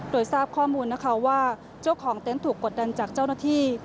โดยทราบข้อมูลนะคะว่าเจ้าของเต็นต์ถูกกดดันจากเจ้าหน้าที่